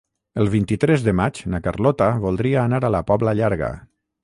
El vint-i-tres de maig na Carlota voldria anar a la Pobla Llarga.